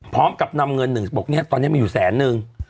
พร้อมกับนำเงินหนึ่งบอกเนี่ยตอนนี้มีอยู่แสนนึง